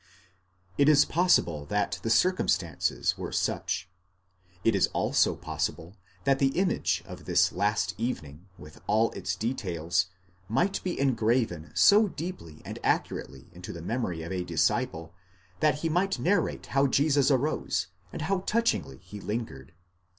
8 It is possible that the circumstances were 'such ; it is also possible that the image of this last evening, with all its details, might be engraven so deeply and accurately in the memory of a disciple, that che might narrate how Jesus arose, and how touchingly he lingered.